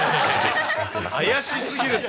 怪しすぎるて。